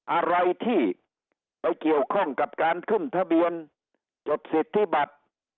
อะไรที่ไปเกี่ยวข้องกับการขึ้นทะเบียนจดสิทธิบัติ